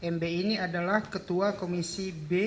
mb ini adalah ketua komisi b